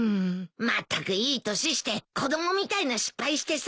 まったくいい年して子供みたいな失敗してさ。